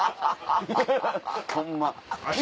ホンマ。